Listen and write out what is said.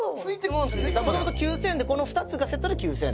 「元々９０００円でこの２つがセットで９０００円と」